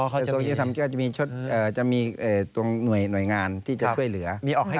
กระทรวงยุทธรรมก็จะมีชุดจะมีตรงหน่วยงานที่จะช่วยเหลือ